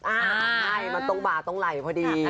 อ้าวมันต้องบาต้องไหลพอดี